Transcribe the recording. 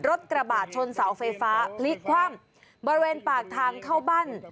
กระบาดชนเสาไฟฟ้าพลิกคว่ำบริเวณปากทางเข้าบ้าน